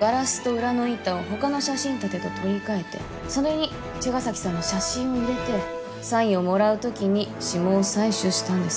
ガラスと裏の板を他の写真立てと取り替えてそれに茅ヶ崎さんの写真を入れてサインをもらうときに指紋を採取したんです